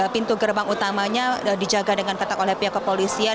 pintu gerbang utamanya dijaga dengan ketat oleh pihak kepolisian